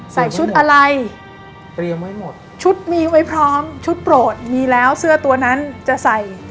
ใส่ชุดอะไรชุดมีไว้พร้อมชุดโปรดมีแล้วเสื้อตัวนั้นจะใส่